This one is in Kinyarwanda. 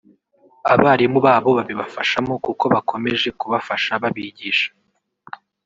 Abarimu babo babibafashamo kuko bakomeje kubafasha babigisha